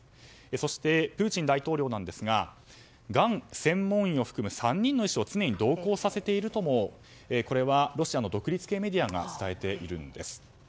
そしてプーチン大統領ですががん専門医を含む３人の医師を常に同行させているともロシアの独立系メディアが伝えているんです。